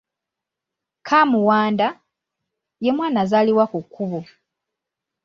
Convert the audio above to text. “Kaamuwanda” ye mwana azaalibwa ku kkubo.